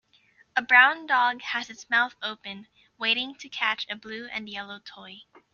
A brown dog has its mouth open waiting to catch a blue and yellow toy.